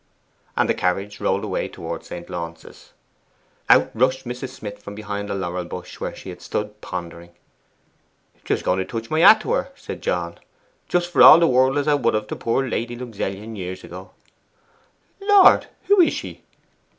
And the carriage rolled away towards St. Launce's. Out rushed Mrs. Smith from behind a laurel bush, where she had stood pondering. 'Just going to touch my hat to her,' said John; 'just for all the world as I would have to poor Lady Luxellian years ago.' 'Lord! who is she?